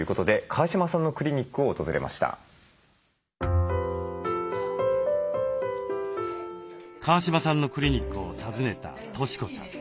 川嶋さんのクリニックを訪ねた俊子さん。